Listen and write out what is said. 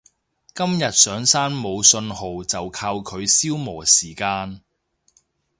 今日上山冇訊號就靠佢消磨時間